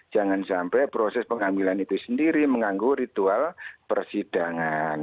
jangan sampai proses pengambilan itu sendiri mengganggu ritual persidangan